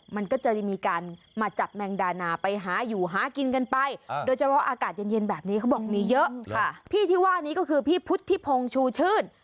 มันเยอะค่ะพี่ที่ว่านี้ก็คือพี่พุทธิพงชูชื่น